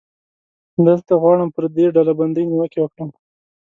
دلته غواړم پر دې ډلبندۍ نیوکې وکړم.